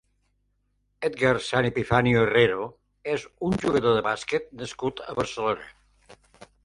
Edgar San Epifanio Herrero és un jugador de bàsquet nascut a Barcelona.